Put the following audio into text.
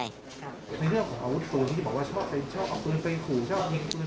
ในเรื่องของพวงศาลพี่บอกว่าชอบเอาผืนไปข่าว